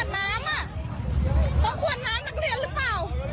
ต้องกว่าน้ำอ่ะ